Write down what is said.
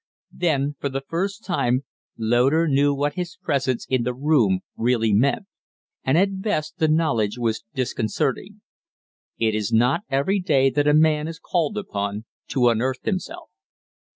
Then for the first time Loder knew what his presence in the room really meant; and at best the knowledge was disconcerting. It is not every day that a man is called upon to unearth himself.